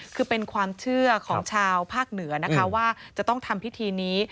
คือเป็นความเชื่อของชาวภาคเหนือนะคะว่าจะต้องทำพิธีนี้